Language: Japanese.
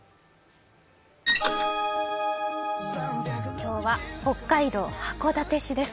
今日は北海道函館市です。